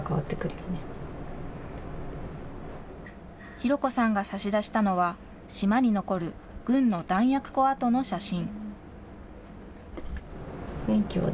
紘子さんが差し出したのは、島に残る軍の弾薬庫跡の写真。